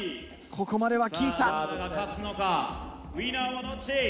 ここまでは僅差。